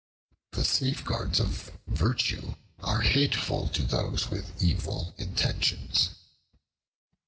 The safeguards of virtue are hateful to those with evil intentions.